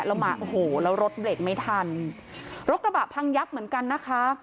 แล้วมาโอ้โหแล้วรถเบรกไม่ทันรถกระบะพังยับเหมือนกันนะคะ